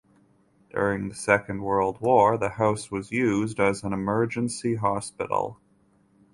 During the Second World War the house was used as an emergency hospital.